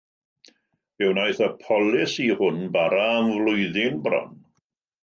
Fe wnaeth y polisi hwn bara am flwyddyn bron.